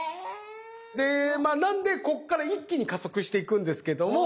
でなのでこっから一気に加速していくんですけども。